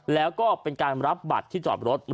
แล้วก็เป็นการรับบัตรที่จอดรถ